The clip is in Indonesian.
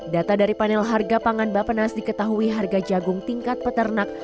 data dari panel harga pangan bapenas diketahui harga jagung tingkat peternak